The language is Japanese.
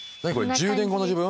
１０年後の自分。